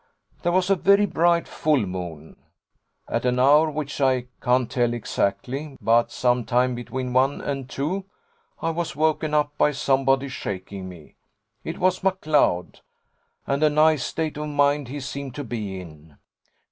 There was a very bright full moon. At an hour which I can't tell exactly, but some time between one and two, I was woken up by somebody shaking me. It was McLeod; and a nice state of mind he seemed to be in.